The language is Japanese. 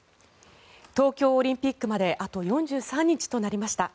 東京オリンピックまであと４３日となりました。